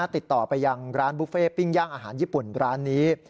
ติดต่อไปยังร้านบุฟเฟ่ปิ้งย่างอาหารญี่ปุ่นร้านนี้